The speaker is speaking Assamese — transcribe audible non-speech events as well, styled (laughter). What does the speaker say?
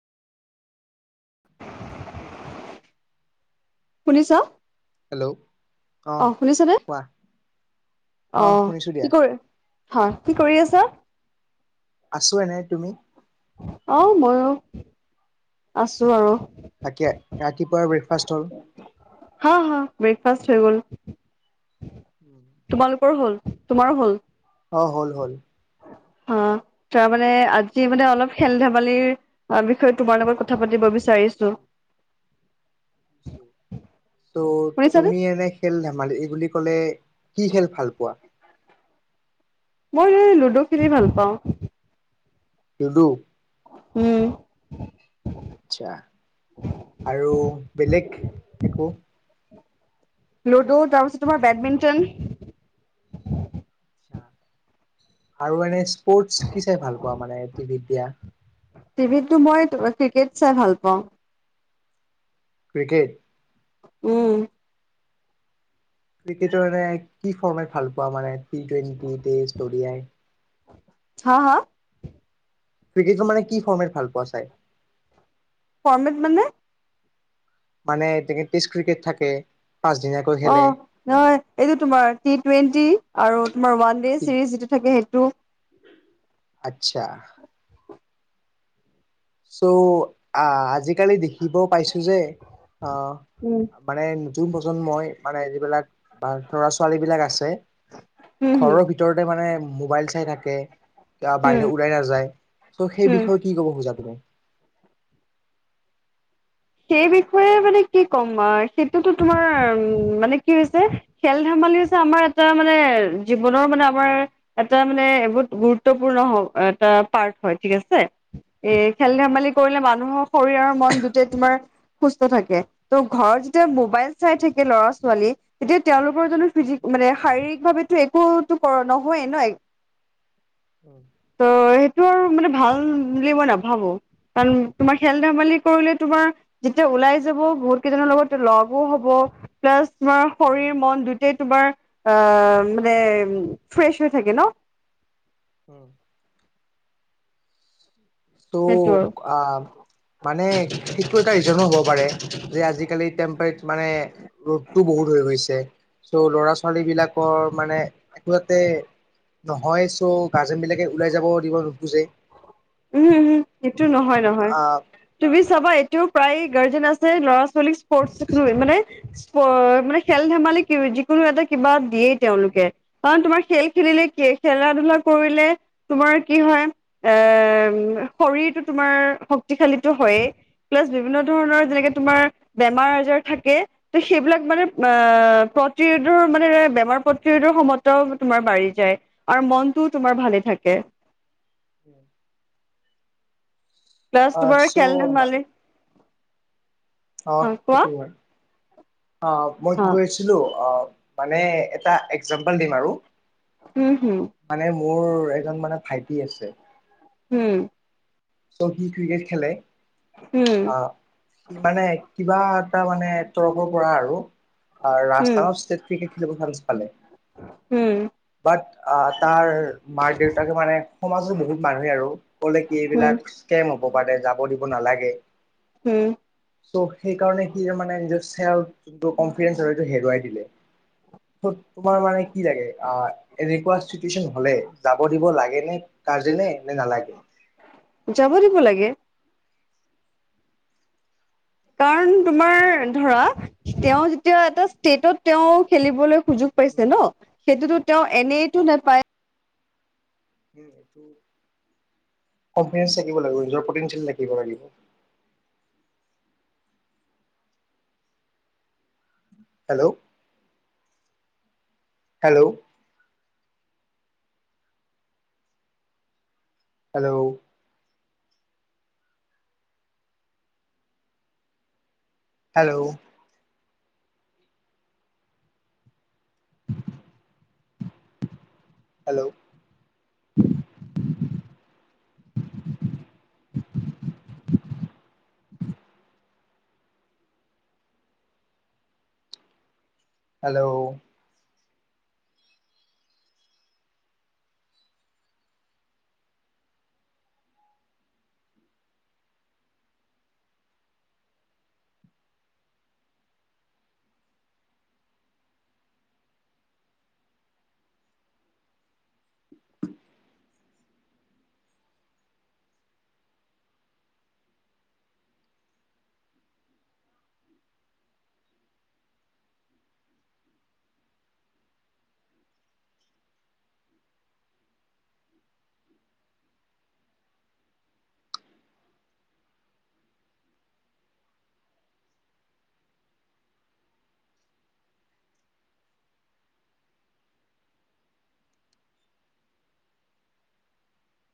শুনিছা? হেল্ল'। অ অহ শুনিছানে? কোৱা অ অহ শুনিছো দিয়া কি কৰ হয়, কি কৰি আছা? আছো এনে, তুমি? অহ মইও আছো আৰু। তাকে, ৰাতিপুৱা ব্ৰেকফাষ্ট হ'ল? হা হা ব্ৰেকফাষ্ট হৈ গ'ল। উম। মোৰ হল তোমাৰো হল। অ' হ'ল - হ'ল। অ' তাৰ মানে আজি মানে অলপ খেল-ধেমালিৰ অ' বিষয়ে তোমাৰ লগত কথা পাতিব বিচ চাৰিছোঁ। তো শুনিছানে তুমি এনে খেল-ধেমালি এই বুলি ক'লে কি খেল ভাল পোৱা? মই এই লুডু খেলি ভাল পাওঁ। লুডু। উম। আচ্ছা আৰু বেলেগ একো লুডু তাৰপিছত তোমাৰ বেডমিণ্টন। আৰু এনে স্পৰ্টচ কি চাই ভাল পোৱা মানে টিভিত দিয়া? টিভিতটো মই ক্ৰিকেট চাই ভাল পাওঁ। ক্ৰিকেট। উম। ক্ৰিকেট কি ফৰ্মেট ভাল পোৱা মানে টি টোৱেনটি, ইচতুদি আই? হা হা? ক্ৰিকেটটো মানে কি ফৰ্মেট ভাল পোৱা চায়? ফৰ্মেট মানে? মানে তেখেত টিষ্ট ক্ৰিকেট থাকে। পাঁচদিনীয়াকৈ অ' খেলে নহয়। এইটো তোমাৰ টি টুৱেন্টি আৰু তোমাৰ ওৱান ডে ছিৰিজ যিটো থাকে সেই টো আচ্ছা। ছো, আ- আজিকালি দেখিব পাইছোঁ যে অ' উম মানে নতুন প্ৰজন্মই মানে যিবিলাক বা লৰা ছোৱালী বিলাক আছে। হম হম ঘৰৰ ভিতৰতে মানে মোবাইল চাই থাকে বাহিৰত হম ওলাই নাযায় ত' সেই হম বিষয়ে কি কব খোজা তুমি সেই বিষয়ে মানে কি ক'ম সেইটোতো তোমাৰ উ মানে কি হৈছে খেল ধেমা- মালিৰ হৈছে আমাৰ এটা মানে জীৱনৰ মানে আমাৰ উম মানে বহুত গুৰুত্বপূৰ্ণ এটা পাৰ্ট হয় ঠিক আছে এ খেল উম ধেমালি কৰি মানুহৰ শৰীৰ আৰু মন দুটাই তোমাৰ সুস্থ থাকে ত' ঘৰত যেতিয়া উম মোবাইল চাই থাকে ল'ৰা ছোৱালী তেতিয়া তেওঁলোকৰ জোনটো ফিজিক মানে শাৰীৰিক ভাৱো একোটো কৰ নহয়েই ন উম তোৰ মানে ভাল বুলি মই নাভাবো কাৰণ তোমাৰ খেল ধেমালি কৰিলে তোমাৰ যেতিয়া ওলাই যাব বহুত কেইজনৰ লগত লগো হব প্লাছ তোমাৰ উম শৰীৰ মন দুটাই তোমাৰ আহ মানে ফ্ৰেছ হৈ থাকে ন। উম ত' সেইটো আৰু আহ মানে কি এটা ৰিজনো হব পাৰে যে আজিকালি টেম্পট মানে ৰ'দটো বহুত হৈ গৈছে। চ' ল'ৰা ছোৱালী বিলাকৰ মানে একো এতে- নহয় চ' গাৰ্জেন বিলাকে ওলাই যাব দিব নোখোজে উহো উহো সেটো নহয় নহয় আহ তুমি চাবা এইটোও প্ৰায় গাৰ্জেন আছে ল'ৰা ছোৱালীক স্পৰ্ট মানে অ মানে খেল ধেমালি যিকোনো এটা কিবা দিয়েই তেওঁলোকে কাৰণ তোমাৰ খেল খেলিলে কি খেলা ধূলা কৰিলে তোমাৰ কি হয় এ শৰীৰৰ টো তোমাৰ শক্তিশালীতো হয়ে প্লাজ বিভিন্ন ধৰণৰ যেনেকে তোমাৰ বেমাৰ আজাৰ থাকে ত সেইবিলাক মানে অ প্ৰতিৰোধৰ মানে বেমাৰ প্ৰতিৰোধৰ ক্ষমতাও তোমাৰ বাঢ়ি যায় আৰু মনটোও তোমাৰ ভালে থাকে। প্লাছ অ তোমাৰ চ' খেল ধেমালি অহ হা কোৱা সেইটোও হয়। অ মই হা কি কৰিছিলো অ মানে এটা এক্সজাম্পল দিম আৰু উম হুম মানে মোৰ এজন মানে ভাইটি আছে। উম ত' সি ক্ৰিকেট খেলে উম, আহ সি মানে কিবা এটা মানে তৰফৰ পৰা আৰু উম, ৰাজস্থানত ষ্টেট ক্ৰিকেট খেলিব ভাল পালে উম বাট তাৰ মাক দেউতাকে মানে সমাজৰ বহুত মানুহে আৰু ক'লে কি উম, এইবিলাক কেম হব পাৰে যাব দিব নালাগে উম, চ' সেইকাৰণে সি মানে নিজৰ যোনটো কনফিডেঞ্চ সেটো হেৰুৱাই দিলে তোমাৰ মানে কি লাগে আহ এনেকুৱা চিটুৱেচন হলে যাব দিব লাগে নে গাৰ্জেনে নে নালাগে? যাব দিব লাগে। কাৰণ তোমাৰ ধৰা তেওঁ যেতিয়া এটা ষ্টেটত তেওঁ খেলিবলৈ সুযোগ পাইছে ন সেইটোতো তেওঁ এনেইতো নেপায়। উমটো কনফিডেঞ্চ থাকিব লাগিব নিজৰ প্ৰটিন্সিয়েল থাকিব লাগিব। Hello hello hello hello hello (inaudible) hello (unintelligible)